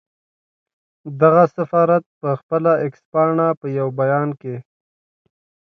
دغه سفارت پر خپله اېکس پاڼه په یو بیان کې